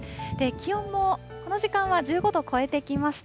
気温もこの時間は１５度超えてきました。